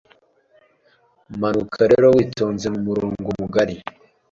Manuka rero witonze mu murongo mugari